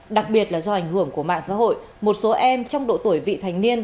đặc biệt là do ảnh hưởng của mạng xã hội một số em trong độ tuổi vị thành niên